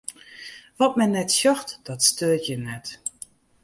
Wat men net sjocht, dat steurt jin net.